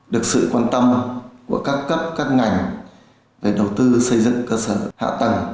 được sự quan tâm của các cấp các ngành về đầu tư xây dựng cơ sở hạ tầng